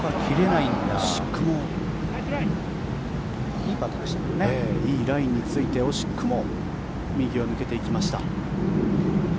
いいラインについて惜しくも右を向いていきました。